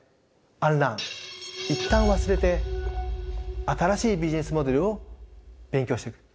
Ｕｎｌｅａｒｎ一旦忘れて新しいビジネスモデルを勉強していく。